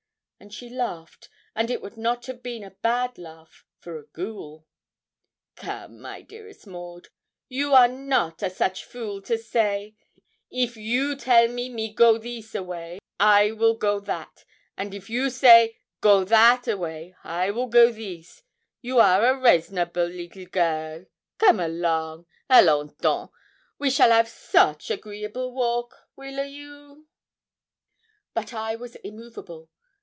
And she laughed, and it would not have been a bad laugh for a ghoul. 'Come, my dearest Maud, you are not a such fool to say, if you tell me me go thees a way, I weel go that; and if you say, go that a way, I weel go thees you are rasonable leetle girl come along alons donc we shall av soche agreeable walk weel a you?' But I was immovable.